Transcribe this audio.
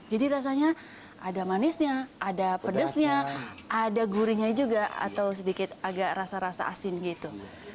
jadi rasanya ada manisnya ada pedesnya ada gurinya juga atau sedikit agak rasa rasa asin gitu